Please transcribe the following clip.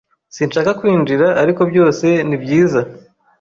Sinshaka kwinjira, ariko byose ni byiza?